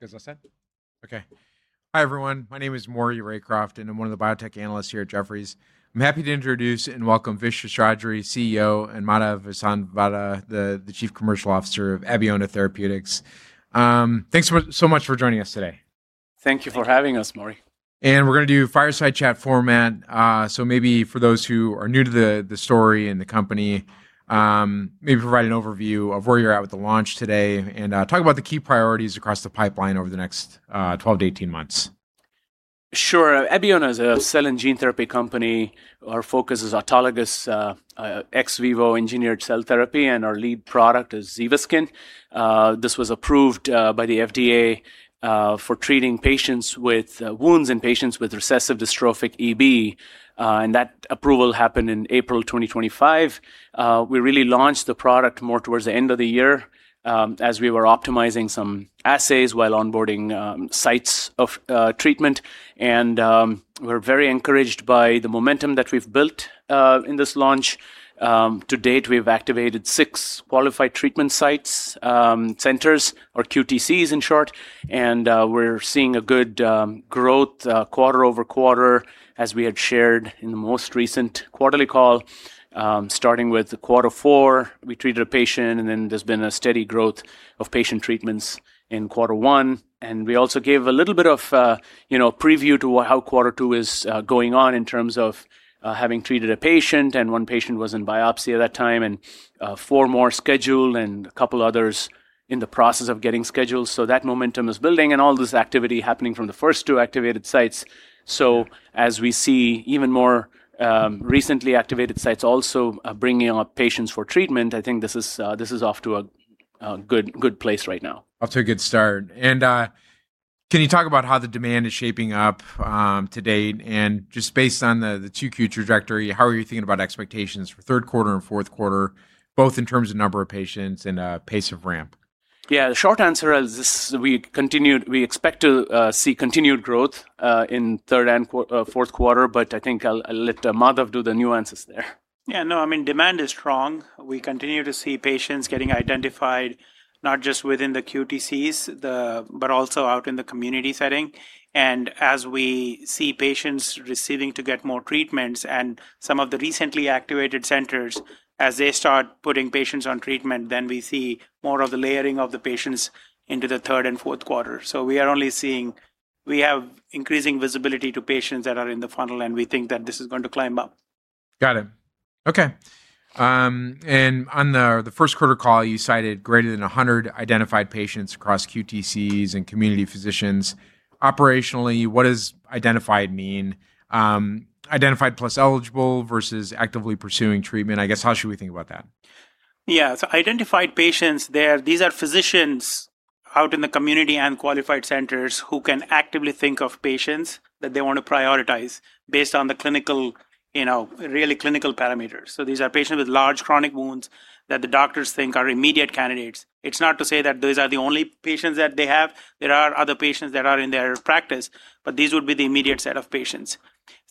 You guys all set? Okay. Hi, everyone. My name is Maury Raycroft, and I'm one of the biotech analysts here at Jefferies. I'm happy to introduce and welcome Vish Seshadri, CEO, and Madhav Vasanthavada, the Chief Commercial Officer of Abeona Therapeutics. Thanks so much for joining us today. Thank you for having us, Maury. We're going to do fireside chat format. Maybe for those who are new to the story and the company, maybe provide an overview of where you're at with the launch today and talk about the key priorities across the pipeline over the next 12-18 months. Sure. Abeona is a cell and gene therapy company. Our focus is autologous ex vivo engineered cell therapy, and our lead product is ZEVASKYN. This was approved by the FDA for treating patients with wounds and patients with recessive dystrophic EB, and that approval happened in April 2025. We really launched the product more towards the end of the year as we were optimizing some assays while onboarding sites of treatment. We're very encouraged by the momentum that we've built in this launch. To date, we've activated six qualified treatment sites, centers or QTCs in short, and we're seeing a good growth quarter-over-quarter as we had shared in the most recent quarterly call. Starting with quarter four, we treated a patient, and then there's been a steady growth of patient treatments in quarter one. We also gave a little bit of preview to how quarter two is going on in terms of having treated a patient and one patient was in biopsy at that time and four more scheduled and a couple others in the process of getting scheduled. That momentum is building and all this activity happening from the first two activated sites. As we see even more recently activated sites also bringing up patients for treatment, I think this is off to a good place right now. Off to a good start. Can you talk about how the demand is shaping up to date and just based on the 2Q trajectory, how are you thinking about expectations for third quarter and fourth quarter, both in terms of number of patients and pace of ramp? Yeah. The short answer is we expect to see continued growth in third and fourth quarter, but I think I'll let Madhav do the nuances there. Yeah. No, demand is strong. We continue to see patients getting identified not just within the QTCs, but also out in the community setting. As we see patients receiving to get more treatments and some of the recently activated centers as they start putting patients on treatment, then we see more of the layering of the patients into the third and fourth quarter. We have increasing visibility to patients that are in the funnel, and we think that this is going to climb up. Got it. Okay. On the first quarter call, you cited greater than 100 identified patients across QTCs and community physicians. Operationally, what does identified mean? Identified plus eligible versus actively pursuing treatment. I guess, how should we think about that? Identified patients there, these are physicians out in the community and qualified centers who can actively think of patients that they want to prioritize based on the really clinical parameters. These are patients with large chronic wounds that the doctors think are immediate candidates. It's not to say that those are the only patients that they have. There are other patients that are in their practice, but these would be the immediate set of patients.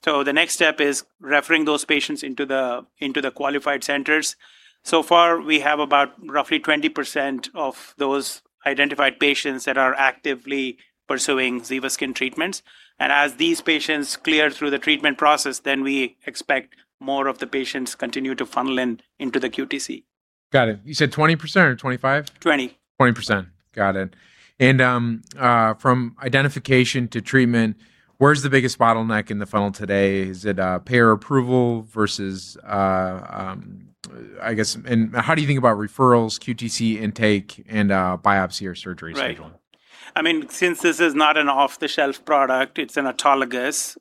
The next step is referring those patients into the qualified centers. So far, we have about roughly 20% of those identified patients that are actively pursuing ZEVASKYN treatments. As these patients clear through the treatment process, we expect more of the patients continue to funnel in into the QTC. Got it. You said 20% or 25? 20. 20%. Got it. From identification to treatment, where's the biggest bottleneck in the funnel today? Is it payer approval versus? How do you think about referrals, QTC intake, and biopsy or surgery scheduling? Right. Since this is not an off-the-shelf product, it's an autologous,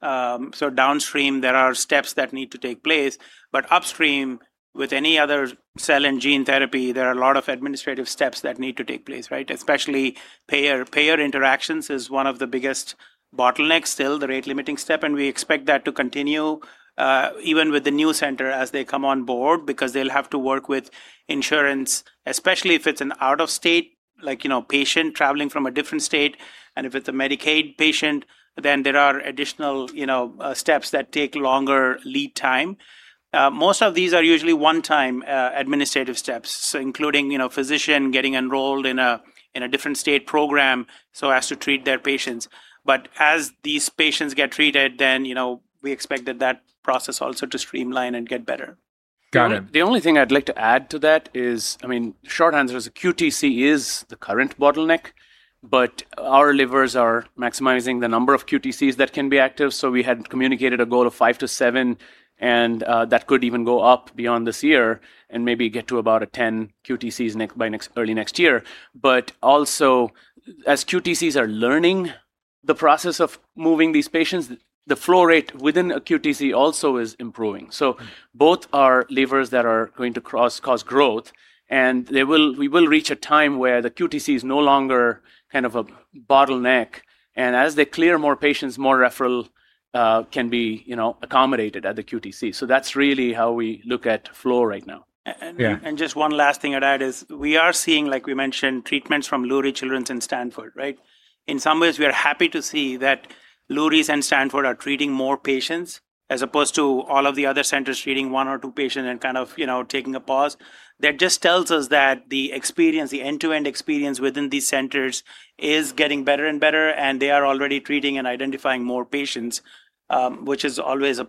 so downstream there are steps that need to take place. Upstream, with any other cell and gene therapy, there are a lot of administrative steps that need to take place, right? Especially payer interactions is one of the biggest bottlenecks still, the rate-limiting step, and we expect that to continue even with the new center as they come on board because they'll have to work with insurance, especially if it's an out-of-state patient traveling from a different state. If it's a Medicaid patient, then there are additional steps that take longer lead time. Most of these are usually one-time administrative steps, including physician getting enrolled in a different state program so as to treat their patients. As these patients get treated, then we expect that process also to streamline and get better. Got it. The only thing I'd like to add to that is, the short answer is a QTC is the current bottleneck, but our levers are maximizing the number of QTCs that can be active. We had communicated a goal of five to seven, and that could even go up beyond this year and maybe get to about 10 QTCs early next year. Also, as QTCs are learning the process of moving these patients, the flow rate within a QTC also is improving. Both are levers that are going to cause growth, and we will reach a time where the QTC is no longer a bottleneck. As they clear more patients, more referral can be accommodated at the QTC. That's really how we look at flow right now. Yeah. Just one last thing I'd add is we are seeing, like we mentioned, treatments from Lurie Children's and Stanford, right? In some ways, we are happy to see that. Lurie's and Stanford are treating more patients as opposed to all of the other centers treating one or two patients and kind of taking a pause. That just tells us that the end-to-end experience within these centers is getting better and better, and they are already treating and identifying more patients, which is a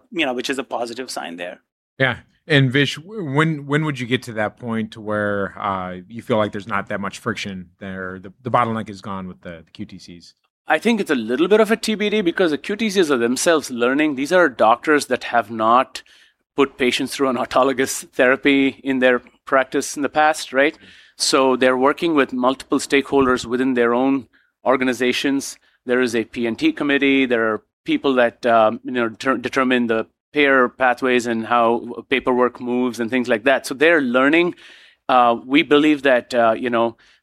positive sign there. Yeah. Vish, when would you get to that point to where you feel like there's not that much friction there, the bottleneck is gone with the QTCs? I think it's a little bit of a TBD because the QTCs are themselves learning. These are doctors that have not put patients through an autologous therapy in their practice in the past, right? They're working with multiple stakeholders within their own organizations. There is a P&T committee. There are people that determine the payer pathways and how paperwork moves and things like that. They're learning. We believe that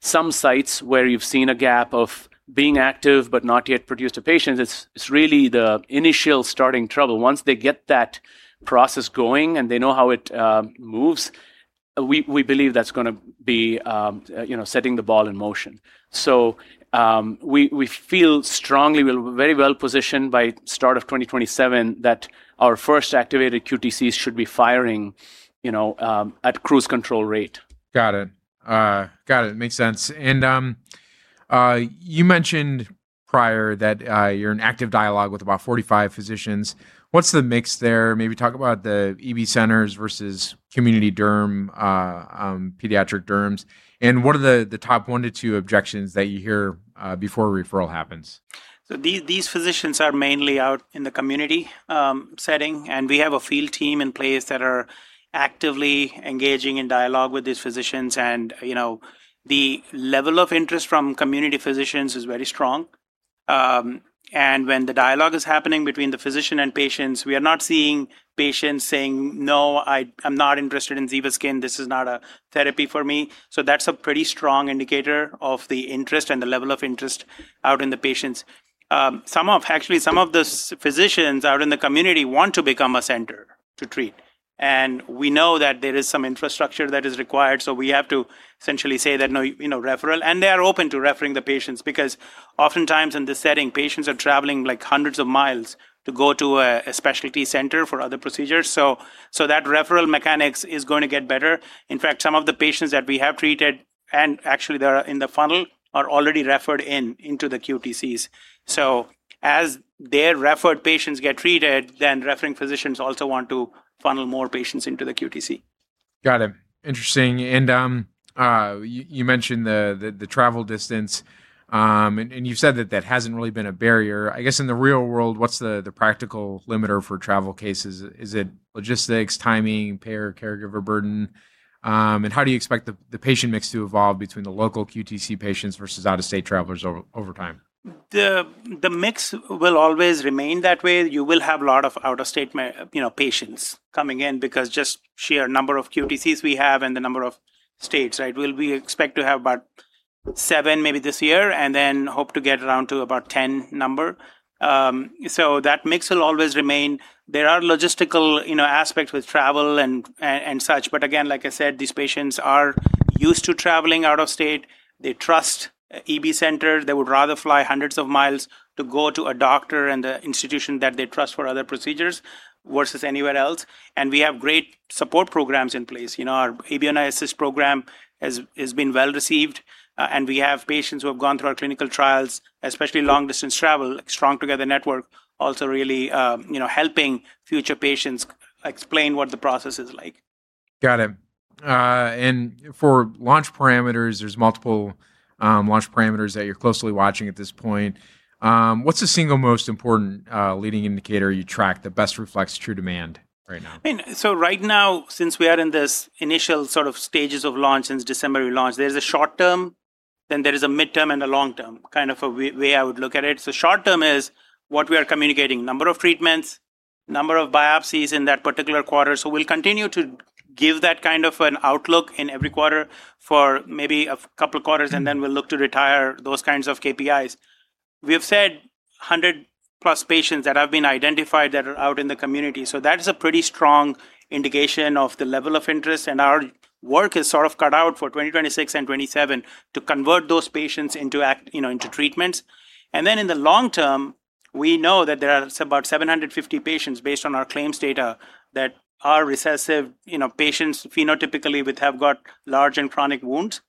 some sites where you've seen a gap of being active but not yet produced a patient, it's really the initial starting trouble. Once they get that process going and they know how it moves, we believe that's going to be setting the ball in motion. We feel strongly we're very well positioned by start of 2027 that our first activated QTCs should be firing at cruise control rate. Got it. Makes sense. You mentioned prior that you're in active dialogue with about 45 physicians. What's the mix there? Maybe talk about the EB centers versus community dermatology, pediatric derms, and what are the top one to two objections that you hear before a referral happens? These physicians are mainly out in the community setting, and we have a field team in place that are actively engaging in dialogue with these physicians, and the level of interest from community physicians is very strong. When the dialogue is happening between the physician and patients, we are not seeing patients saying, "No, I'm not interested in ZEVASKYN. This is not a therapy for me." That's a pretty strong indicator of the interest and the level of interest out in the patients. Actually, some of those physicians out in the community want to become a center to treat. We know that there is some infrastructure that is required, so we have to essentially say that no referral, and they are open to referring the patients, because oftentimes in this setting, patients are traveling hundreds of miles to go to a specialty center for other procedures. That referral mechanics is going to get better. In fact, some of the patients that we have treated, and actually they are in the funnel, are already referred in into the QTCs. As their referred patients get treated, then referring physicians also want to funnel more patients into the QTC. Got it. Interesting. You mentioned the travel distance, you said that that hasn't really been a barrier. I guess in the real world, what's the practical limiter for travel cases? Is it logistics, timing, payer, caregiver burden? How do you expect the patient mix to evolve between the local QTC patients versus out-of-state travelers over time? The mix will always remain that way. You will have a lot of out-of-state patients coming in because just sheer number of QTCs we have and the number of states. We expect to have about seven maybe this year, and then hope to get around to about 10 number. That mix will always remain. There are logistical aspects with travel and such, but again, like I said, these patients are used to traveling out of state. They trust EB centers. They would rather fly hundreds of miles to go to a doctor and the institution that they trust for other procedures versus anywhere else. We have great support programs in place. Our Abeona Assist program has been well-received, and we have patients who have gone through our clinical trials, especially long-distance travel, Strong Together Network, also really helping future patients explain what the process is like. Got it. For launch parameters, there's multiple launch parameters that you're closely watching at this point. What's the single most important leading indicator you track that best reflects true demand right now? Right now, since we are in this initial sort of stages of launch since December we launched, there is a short term, then there is a midterm, and a long term, kind of a way I would look at it. Short term is what we are communicating. Number of treatments, number of biopsies in that particular quarter. We'll continue to give that kind of an outlook in every quarter for maybe a couple of quarters, and then we'll look to retire those kinds of KPIs. We've said 100-plus patients that have been identified that are out in the community. That is a pretty strong indication of the level of interest, and our work is sort of cut out for 2026 and 2027 to convert those patients into treatments. In the long term, we know that there are about 750 patients based on our claims data that are recessive patients phenotypically which have got large and chronic wounds.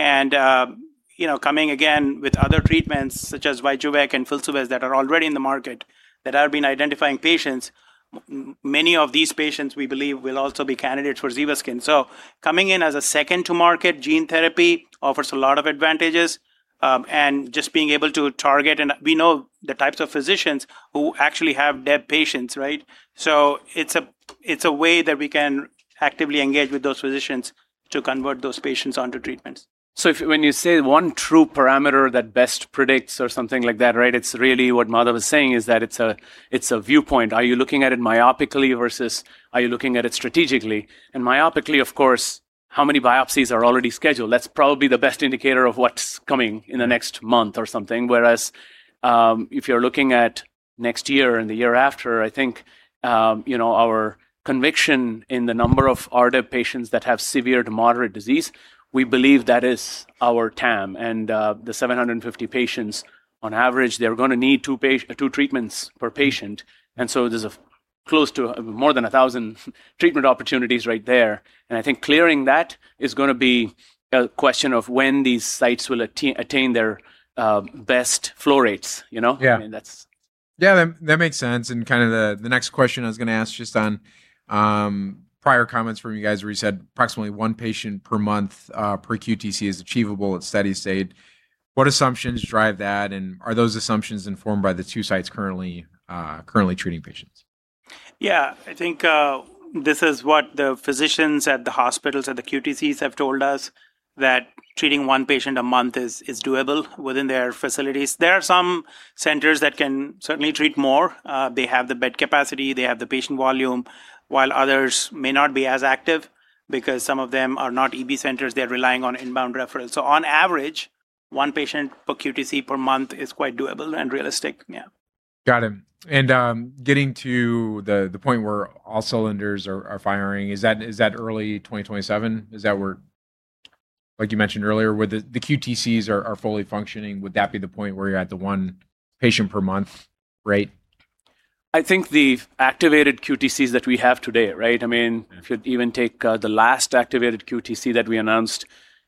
Coming again with other treatments such as VYJUVEK and Filsuvez that are already in the market that have been identifying patients, many of these patients we believe will also be candidates for ZEVASKYN. Coming in as a second to market gene therapy offers a lot of advantages, and just being able to target, and we know the types of physicians who actually have their patients. It's a way that we can actively engage with those physicians to convert those patients onto treatments. When you say one true parameter that best predicts or something like that, it's really what Madhav was saying is that it's a viewpoint. Are you looking at it myopically versus are you looking at it strategically? Myopically, of course, how many biopsies are already scheduled? That's probably the best indicator of what's coming in the next month or something. Whereas, if you're looking at next year and the year after, I think, our conviction in the number of RDEB patients that have severe to moderate disease, we believe that is our TAM. The 750 patients, on average, they're going to need two treatments per patient, and so there's a Close to more than 1,000 treatment opportunities right there. I think clearing that is going to be a question of when these sites will attain their best flow rates. Yeah. I mean, that's- Yeah. That makes sense. The next question I was going to ask just on prior comments from you guys where you said approximately one patient per month per QTC is achievable at steady state. What assumptions drive that, and are those assumptions informed by the two sites currently treating patients? Yeah. I think this is what the physicians at the hospitals, at the QTCs have told us, that treating one patient a month is doable within their facilities. There are some centers that can certainly treat more. They have the bed capacity, they have the patient volume, while others may not be as active because some of them are not EB centers, they're relying on inbound referrals. On average, one patient per QTC per month is quite doable and realistic. Yeah. Got it. Getting to the point where all cylinders are firing, is that early 2027? Is that where, like you mentioned earlier, where the QTCs are fully functioning, would that be the point where you're at the one patient per month rate? I think the activated QTCs that we have today, right? Yeah. If you even take the last activated QTC that we announced,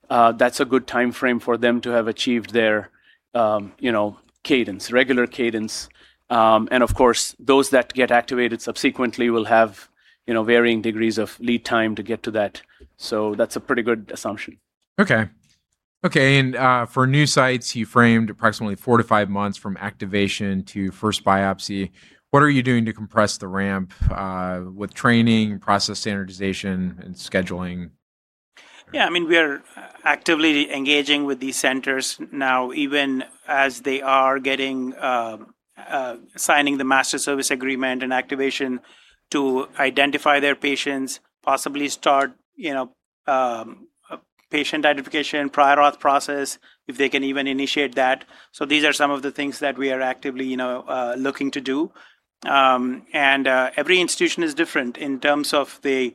that's a good timeframe for them to have achieved their cadence, regular cadence. Of course, those that get activated subsequently will have varying degrees of lead time to get to that. That's a pretty good assumption. Okay. For new sites, you framed approximately four to five months from activation to first biopsy. What are you doing to compress the ramp with training, process standardization and scheduling? Yeah. We are actively engaging with these centers now, even as they are signing the master service agreement and activation to identify their patients, possibly start patient identification, prior authorization process, if they can even initiate that. These are some of the things that we are actively looking to do. Every institution is different in terms of the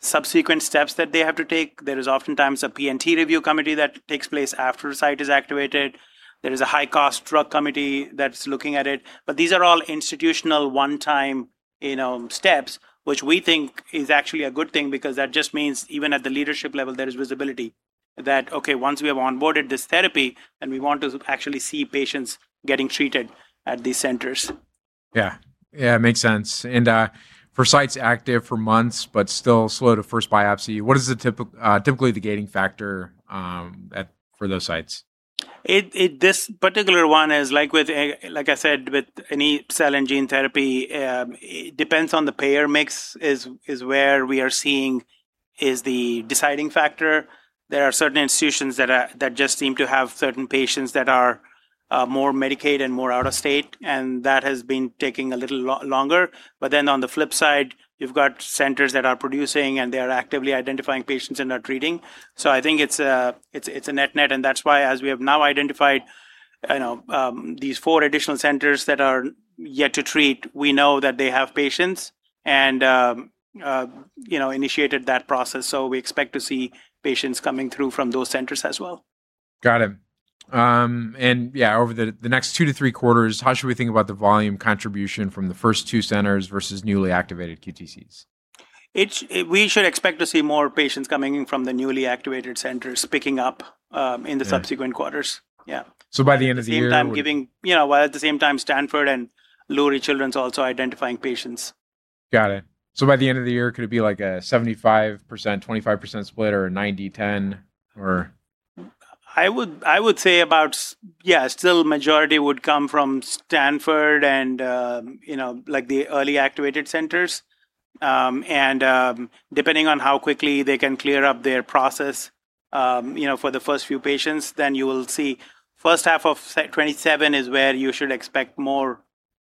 subsequent steps that they have to take. There is oftentimes a P&T review committee that takes place after a site is activated. There is a high-cost drug committee that's looking at it. These are all institutional one-time steps, which we think is actually a good thing because that just means even at the leadership level, there is visibility that, okay, once we have onboarded this therapy, then we want to actually see patients getting treated at these centers. Yeah. Makes sense. For sites active for months, but still slow to first biopsy, what is typically the gating factor for those sites? This particular one is, like I said, with any cell and gene therapy, it depends on the payer mix is where we are seeing is the deciding factor. There are certain institutions that just seem to have certain patients that are more Medicaid and more out of state, and that has been taking a little longer. On the flip side, you've got centers that are producing, and they are actively identifying patients and are treating. I think it's a net-net, and that's why, as we have now identified these four additional centers that are yet to treat, we know that they have patients and initiated that process. We expect to see patients coming through from those centers as well. Got it. Yeah, over the next 2 to 3 quarters, how should we think about the volume contribution from the first two centers versus newly activated QTCs? We should expect to see more patients coming in from the newly activated centers picking up. Yeah In the subsequent quarters. Yeah. By the end of the year While at the same time, Stanford and Lurie Children's are also identifying patients. Got it. By the end of the year, could it be like a 75%/25% split or a 90/10, or? I would say about, yeah, still majority would come from Stanford and the early activated centers. Depending on how quickly they can clear up their process for the first few patients, then you will see first half of 2027 is where you should expect more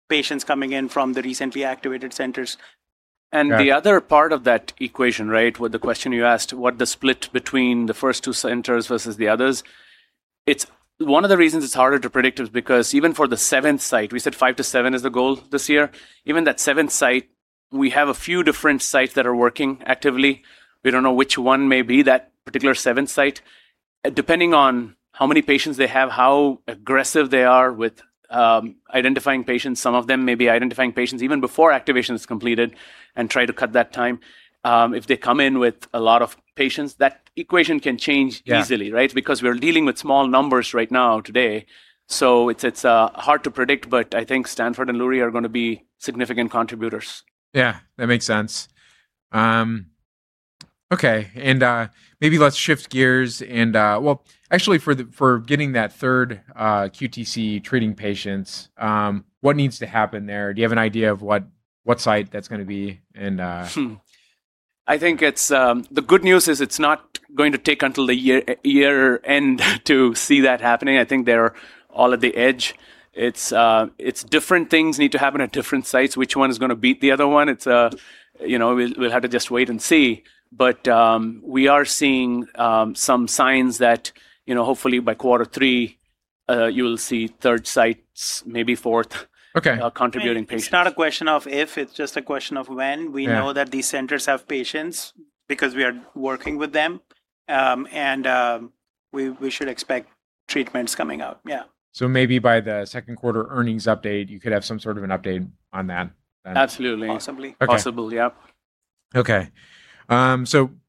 patients coming in from the recently activated centers. The other part of that equation with the question you asked, what the split between the first two centers versus the others. One of the reasons it is harder to predict is because even for the seventh site, we said five to seven is the goal this year. Even that seventh site, we have a few different sites that are working actively. We do not know which one may be that particular seventh site. Depending on how many patients they have, how aggressive they are with identifying patients. Some of them may be identifying patients even before activation is completed and try to cut that time. If they come in with a lot of patients, that equation can change easily. Yeah. We're dealing with small numbers right now today. It's hard to predict, but I think Stanford and Lurie are going to be significant contributors. Yeah. That makes sense. Okay. Maybe let's shift gears and, well, actually for getting that third QTC treating patients, what needs to happen there? Do you have an idea of what site that's going to be? I think the good news is it's not going to take until the year-end to see that happening. I think they're all at the edge. Different things need to happen at different sites. Which one is going to beat the other one? We'll have to just wait and see. We are seeing some signs that hopefully by quarter three, you'll see third sites. Okay Contributing patients. It's not a question of if, it's just a question of when. Yeah. We know that these centers have patients because we are working with them. We should expect treatments coming out. Yeah. Maybe by the second quarter earnings update, you could have some sort of an update on that then? Absolutely. Possibly. Possible. Yep. Okay.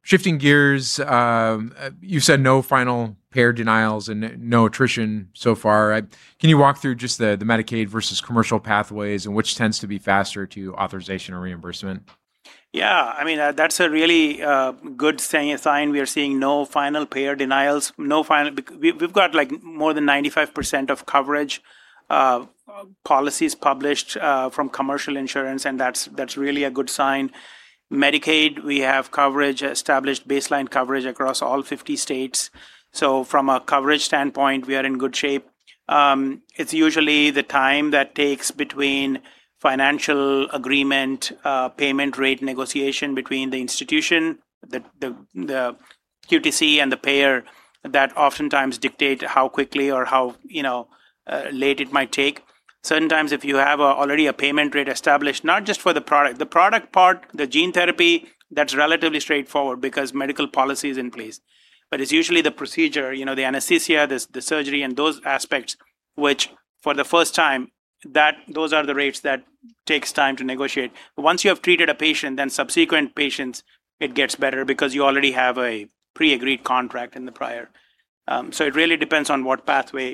Shifting gears, you said no final payer denials and no attrition so far. Can you walk through just the Medicaid versus commercial pathways and which tends to be faster to authorization or reimbursement? Yeah. That's a really good sign. We are seeing no final payer denials. We've got more than 95% of coverage policies published from commercial insurance. That's really a good sign. Medicaid, we have established baseline coverage across all 50 states. From a coverage standpoint, we are in good shape. It's usually the time that takes between financial agreement, payment rate negotiation between the institution, the QTC, and the payer that oftentimes dictate how quickly or how late it might take. Sometimes if you have already a payment rate established, not just for the product. The product part, the gene therapy, that's relatively straightforward because medical policy is in place. It's usually the procedure, the anesthesia, the surgery, and those aspects, which for the first time, those are the rates that takes time to negotiate. Once you have treated a patient, then subsequent patients, it gets better because you already have a pre-agreed contract in the prior. It really depends on what pathway.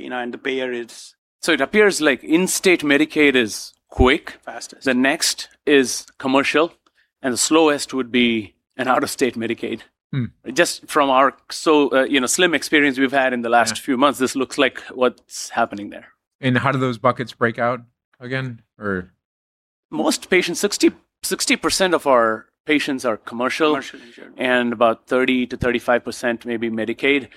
It appears like in-state Medicaid is quick. Fastest. The next is commercial, and the slowest would be an out-of-state Medicaid. Just from our slim experience we've had in the last few months. Yeah This looks like what's happening there. How do those buckets break out again or? Most patients, 60% of our patients are commercial. Commercial insurance. About 30%-35% may be Medicaid.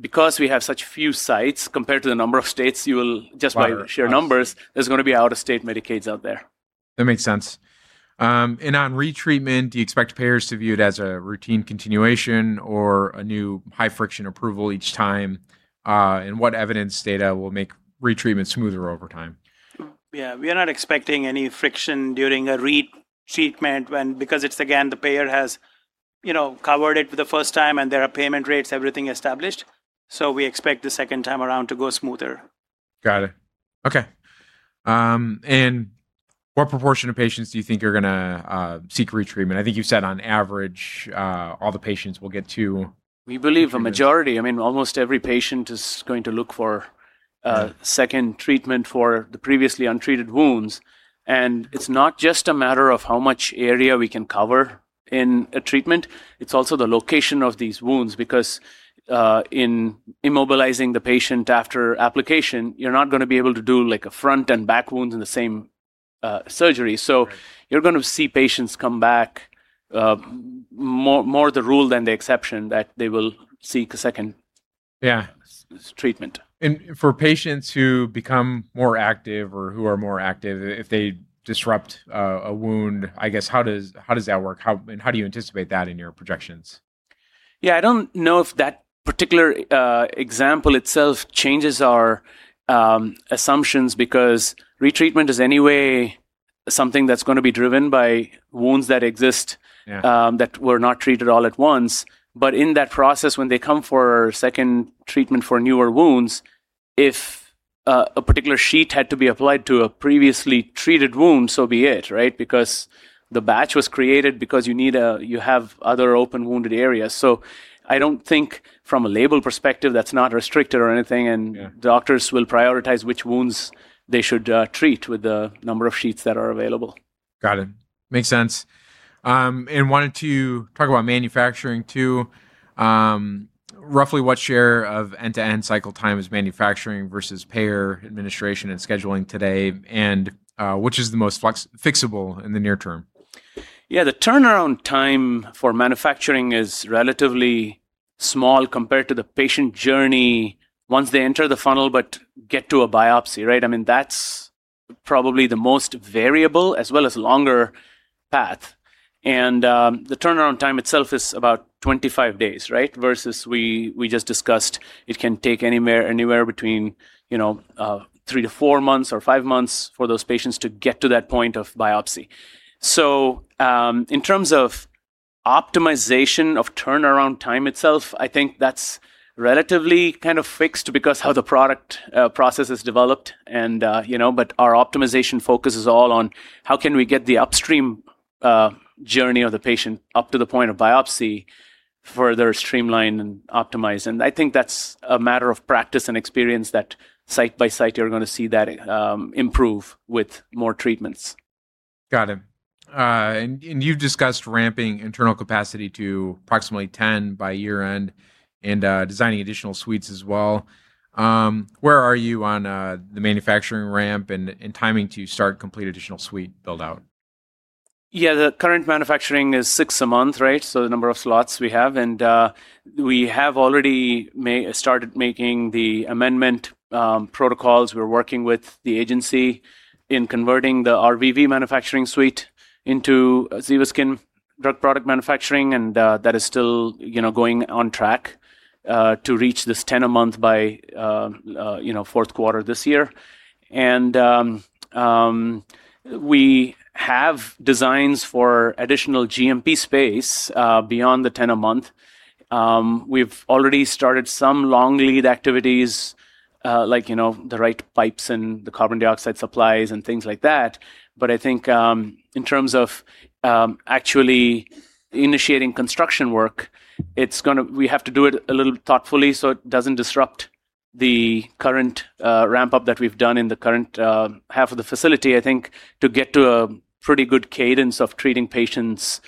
Because we have such few sites compared to the number of states, you will just by sheer numbers. Right. There's going to be out-of-state Medicaids out there. That makes sense. On retreatment, do you expect payers to view it as a routine continuation or a new high-friction approval each time? What evidence data will make retreatment smoother over time? Yeah. We are not expecting any friction during a retreatment because again, the payer has covered it for the first time, and there are payment rates, everything established. We expect the second time around to go smoother. Got it. Okay. What proportion of patients do you think are going to seek retreatment? I think you said on average, all the patients will get two. We believe a majority. Almost every patient is going to look for a second treatment for the previously untreated wounds. It's not just a matter of how much area we can cover in a treatment, it's also the location of these wounds, because in immobilizing the patient after application, you're not going to be able to do a front and back wounds in the same surgery. You're going to see patients come back more the rule than the exception that they will seek a second- Yeah Treatment. For patients who become more active or who are more active, if they disrupt a wound, I guess, how does that work? How do you anticipate that in your projections? Yeah. I don't know if that particular example itself changes our assumptions because retreatment is any way something that's going to be driven by wounds that exist. Yeah That were not treated all at once. In that process, when they come for second treatment for newer wounds, if a particular sheet had to be applied to a previously treated wound, so be it, right? Because the batch was created because you have other open wounded areas. I don't think from a label perspective, that's not restricted or anything. Yeah Doctors will prioritize which wounds they should treat with the number of sheets that are available. Got it. Makes sense. Wanted to talk about manufacturing too. Roughly what share of end-to-end cycle time is manufacturing versus payer administration and scheduling today? Which is the most fixable in the near term? Yeah. The turnaround time for manufacturing is relatively small compared to the patient journey once they enter the funnel but get to a biopsy, right? That's probably the most variable as well as longer path. The turnaround time itself is about 25 days, right? Versus we just discussed, it can take anywhere between 3 to 4 months or five months for those patients to get to that point of biopsy. In terms of optimization of turnaround time itself, I think that's relatively fixed because how the product process is developed. Our optimization focus is all on how can we get the upstream journey of the patient up to the point of biopsy further streamlined and optimized. I think that's a matter of practice and experience that site by site, you're going to see that improve with more treatments. Got it. You've discussed ramping internal capacity to approximately 10 by year-end and designing additional suites as well. Where are you on the manufacturing ramp and timing to start complete additional suite build-out? Yeah, the current manufacturing is six a month, right? The number of slots we have, and we have already started making the amendment protocols. We're working with the agency in converting the RVV manufacturing suite into ZEVASKYN drug product manufacturing, and that is still going on track, to reach this 10 a month by fourth quarter of this year. We have designs for additional GMP space, beyond the 10 a month. We've already started some long lead activities, like, the right pipes and the carbon dioxide supplies and things like that. I think, in terms of actually initiating construction work, we have to do it a little thoughtfully so it doesn't disrupt the current ramp-up that we've done in the current half of the facility. I think to get to a pretty good cadence of treating patients,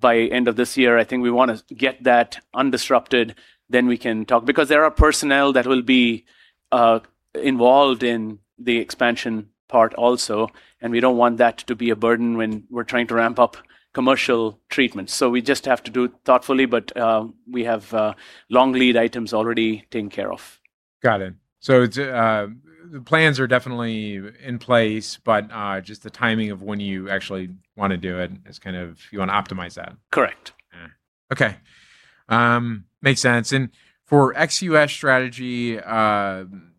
by end of this year, I think we want to get that undisrupted, then we can talk. There are personnel that will be involved in the expansion part also, and we don't want that to be a burden when we're trying to ramp up commercial treatment. We just have to do it thoughtfully, but we have long lead items already taken care of. Got it. The plans are definitely in place, but just the timing of when you actually want to do it, you want to optimize that. Correct. Yeah. Okay. Makes sense. For ex-U.S. strategy,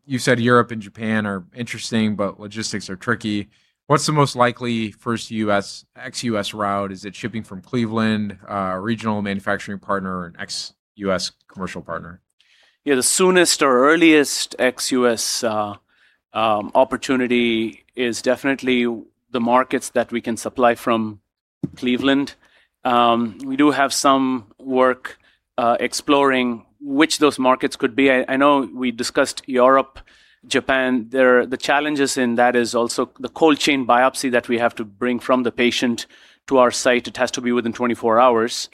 you said Europe and Japan are interesting, but logistics are tricky. What's the most likely first ex-U.S. route? Is it shipping from Cleveland, a regional manufacturing partner, or an ex-U.S. commercial partner? Yeah, the soonest or earliest ex-U.S. opportunity is definitely the markets that we can supply from Cleveland. We do have some work exploring which those markets could be. I know we discussed Europe, Japan. The challenges in that is also the cold chain biopsy that we have to bring from the patient to our site. It has to be within 24 hours.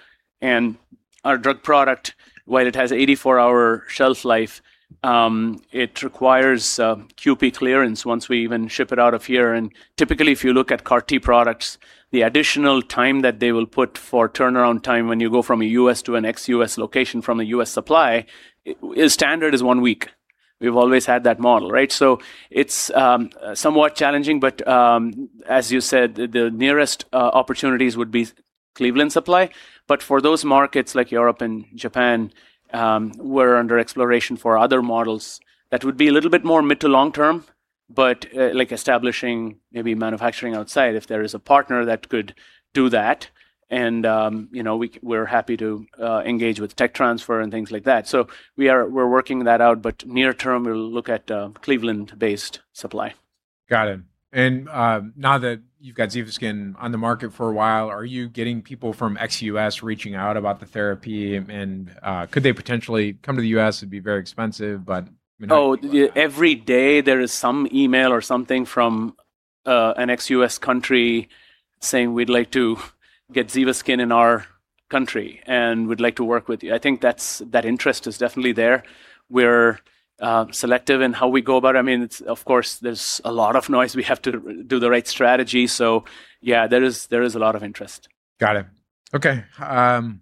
Our drug product, while it has 84-hour shelf life, it requires QP clearance once we even ship it out of here. Typically, if you look at CAR T products, the additional time that they will put for turnaround time when you go from a U.S. to an ex-U.S. location from a U.S. supply, standard is one week. We've always had that model, right? It's somewhat challenging, but, as you said, the nearest opportunities would be Cleveland supply. For those markets like Europe and Japan, we're under exploration for other models that would be a little bit more mid to long-term, but like establishing maybe manufacturing outside if there is a partner that could do that. We're happy to engage with technology transfer and things like that. We're working that out, but near term, we'll look at Cleveland-based supply. Got it. Now that you've got ZEVASKYN on the market for a while, are you getting people from ex-U.S. reaching out about the therapy and, could they potentially come to the U.S.? It'd be very expensive. Every day there is some email or something from an ex-U.S. country saying, "We'd like to get ZEVASKYN in our country, and we'd like to work with you." I think that interest is definitely there. We're selective in how we go about it. Of course, there's a lot of noise. We have to do the right strategy. Yeah, there is a lot of interest. Got it. Okay.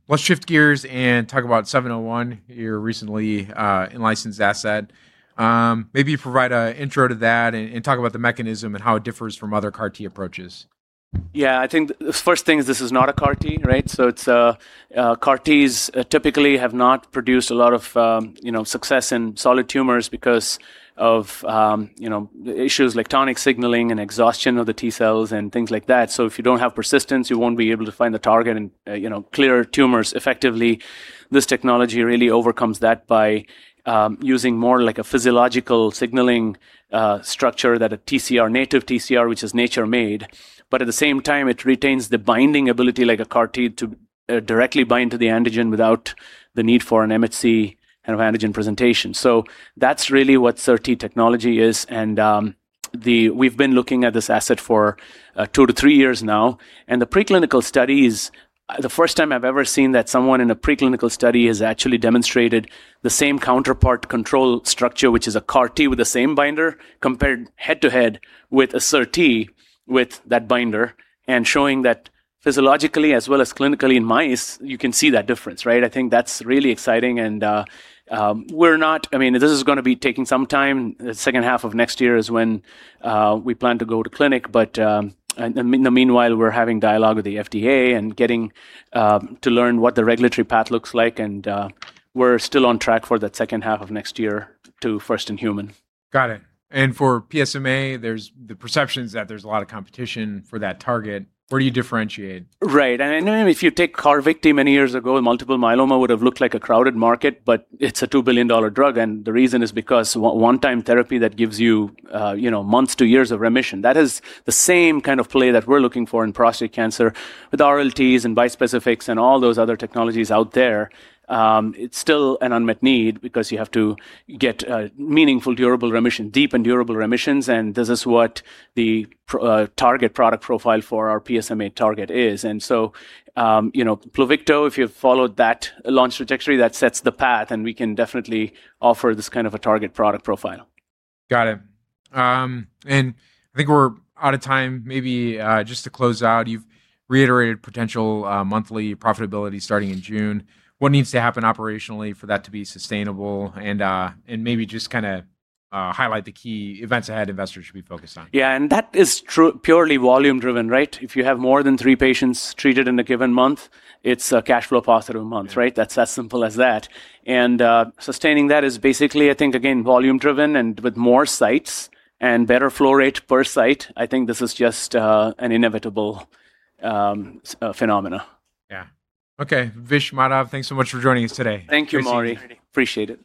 Let's shift gears and talk about ABO-701, your recently in-licensed asset. Maybe you provide an intro to that and talk about the mechanism and how it differs from other CAR T approaches. Yeah, I think the first thing is this is not a CAR T, right? CAR Ts typically have not produced a lot of success in solid tumors because of issues like tonic signaling and exhaustion of the T cells and things like that. If you don't have persistence, you won't be able to find the target and clear tumors effectively. This technology really overcomes that by using more like a physiological signaling structure that a TCR, native TCR, which is nature-made. At the same time, it retains the binding ability like a CAR T to directly bind to the antigen without the need for an MHC kind of antigen presentation. That's really what SIR-T technology is, and we've been looking at this asset for two to three years now. The first time I've ever seen that someone in a preclinical study has actually demonstrated the same counterpart control structure, which is a CAR T with the same binder, compared head-to-head with a SIR-T with that binder, and showing that physiologically as well as clinically in mice, you can see that difference, right? I think that's really exciting. This is going to be taking some time. The second half of next year is when we plan to go to clinic. In the meanwhile, we're having dialogue with the FDA and getting to learn what the regulatory path looks like, and we're still on track for that second half of next year to first in human. Got it. For PSMA, the perception's that there's a lot of competition for that target. Where do you differentiate? Right. I know if you take CARVYKTI many years ago, multiple myeloma would have looked like a crowded market, but it's a $2 billion drug, and the reason is because one-time therapy that gives you months to years of remission. That is the same kind of play that we're looking for in prostate cancer with RLTs and bispecifics and all those other technologies out there. It's still an unmet need because you have to get meaningful durable remission, deep and durable remissions, and this is what the Target Product Profile for our PSMA target is. PLUVICTO, if you've followed that launch trajectory, that sets the path, and we can definitely offer this kind of a Target Product Profile. Got it. I think we're out of time. Maybe, just to close out, you've reiterated potential monthly profitability starting in June. What needs to happen operationally for that to be sustainable? Maybe just highlight the key events ahead investors should be focused on. That is purely volume driven, right? If you have more than three patients treated in a given month, it's a cash flow positive month, right? That's as simple as that. Sustaining that is basically, I think, again, volume driven and with more sites and better flow rate per site. I think this is just an inevitable phenomena. Yeah. Okay. Vish, Madhav, thanks so much for joining us today. Thank you, Maury. Appreciate it.